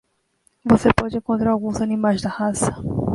Você pode encontrar alguns dos animais da raça?